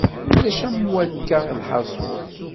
Ulac am wakka lḥasul.